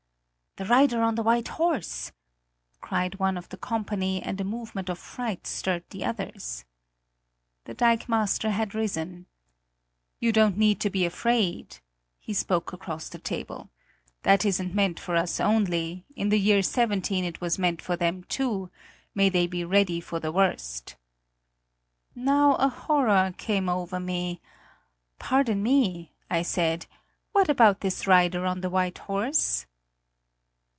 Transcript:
"The rider on the white horse," cried one of the company and a movement of fright stirred the others. The dikemaster had risen. "You don't need to be afraid," he spoke across the table, "that isn't meant for us only; in the year '17 it was meant for them too; may they be ready for the worst!" Now a horror came over me. "Pardon me!" I said. "What about this rider on the white horse?"